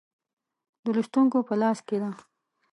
د لوستونکو په لاس کې ده.